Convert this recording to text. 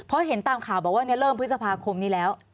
แม่บอกว่าเริ่มพฤษภาคมนี้แล้ว